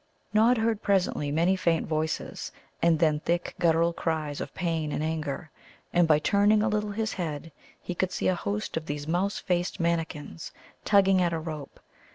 Nod heard presently many faint voices, and then thick guttural cries of pain and anger. And by turning a little his head he could see a host of these mouse faced mannikins tugging at a rope.